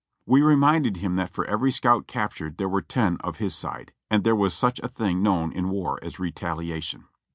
We reminded him that for every scout captured there were ten of his side ; and there was such a thing known in war as re taliation.